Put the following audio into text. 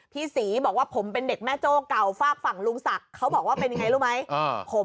พี่ศรีบอกว่าผมเป็นเด็กแม่โจ้เก่าฝากฝั่งลุงศักดิ์เขาบอกว่าเป็นยังไงรู้ไหม